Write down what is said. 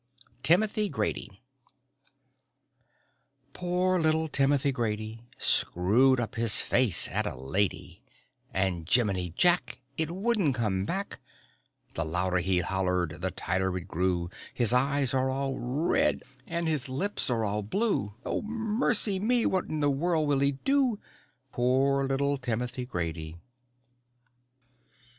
TIMOTHY GRADY Poor little Timothy Grady Screwed up his face at a lady, And, jiminy jack! It wouldn't come back. The louder he hollered The tighter it grew, His eyes are all red And his lips are all blue. Oh, mercy me, what in the world will he do? Poor little Timothy Grady!